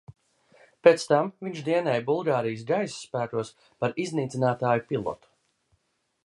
Pēc tam viņš dienēja Bulgārijas gaisa spēkos par iznīcinātāju pilotu.